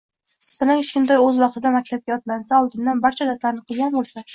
masalan, kichkintoy o‘z vaqtida maktabga otlansa, oldindan barcha darslarini qilgan bo‘lsa